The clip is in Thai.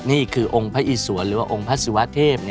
นี่คือองค์พระอิสวนหรือว่าองค์พระศิวะเทพ